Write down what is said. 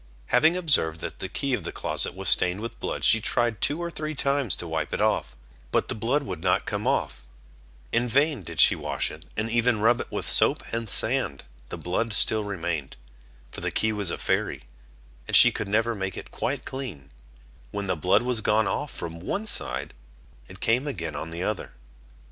Having observed that the key of the closet was stained with blood, she tried two or three times to wipe it off, but the blood would not come off; in vain did she wash it, and even rub it with soap and sand, the blood still remained, for the key was a Fairy, and she could never make it quite clean; when the blood was gone off from one side, it came again on the other.